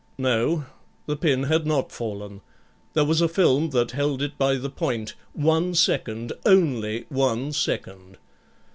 No; the pin had not fallen, there was a film that held it by the point, one second, only one second.